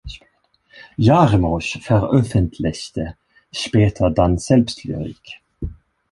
Jarmusch veröffentlichte später dann selbst Lyrik.